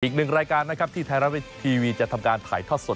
อีกหนึ่งรายการนะครับที่ไทยรัฐทีวีจะทำการถ่ายทอดสด